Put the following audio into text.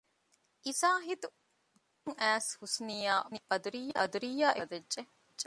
އިސާހިތު ދުވަމުން އައިސް ޙުސްނީއާއި ބަދުރިއްޔާ އެކޮޓަރިއަށް ވަދެއްޖެ